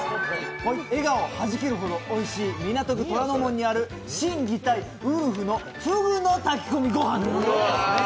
笑顔ハジけるほどおいしい港区虎ノ門にある心・技・体「うるふ」のふぐの炊き込みごはんです。